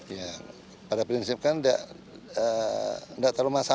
itu hak yang harus diberikan oleh tidak ada dirapatkan oleh kiflan zain